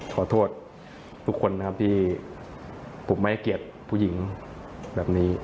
ขอโทษทุกคนนะครับที่ผมไม่ให้เกียรติผู้หญิงแบบนี้